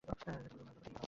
মহারাজ অত্যন্ত বিমনা আছেন।